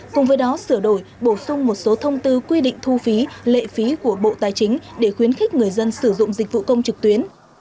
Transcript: cùng với đó sửa đổi bổ sung một số thông tư quy định thu phí lệ phí của bộ tài chính để khuyến khích người dân sử dụng dịch vụ công trực tuyến